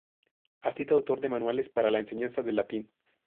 Ha sido autor de manuales para la enseñanza del latín.